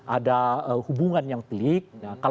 ada hubungan yang telik